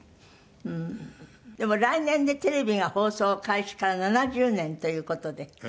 でも来年でテレビが放送開始から７０年という事で。